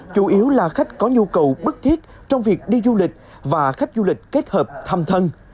chủ yếu là khách có nhu cầu bức thiết trong việc đi du lịch và khách du lịch kết hợp thăm thân